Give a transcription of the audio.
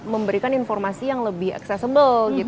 memberikan informasi yang lebih accessible